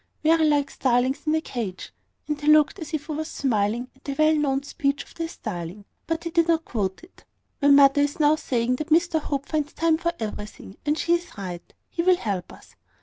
very like starlings in a cage;" and he looked as if he was smiling at the well known speech of the starling; but he did not quote it. "My mother is now saying that Mr Hope finds time for everything: and she is right. He will help us.